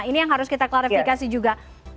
ini yang harus kita klarifikasi juga